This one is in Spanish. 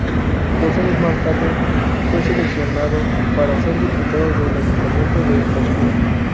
Dos años más tarde fue seleccionado para ser diputado del Ayuntamiento de Moscú.